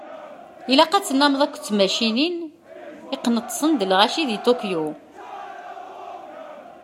Ilaq ad tennameḍ akked d tmacinin iqqneṭsen d lɣaci di Tokyo.